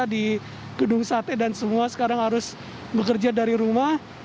di gedung sate dan semua sekarang harus bekerja dari rumah